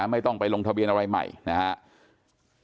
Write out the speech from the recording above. ไม่ต้องไปลงทะเบียนอะไรใหม่นะครับ